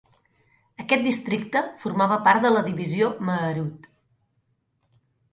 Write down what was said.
Aquest districte forma part de la Divisió Meerut.